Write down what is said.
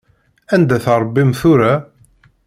Anda-t Ṛebbi-m tura?